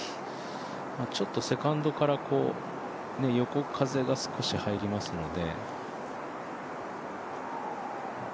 ちょっとセカンドから横風が少し入りますので。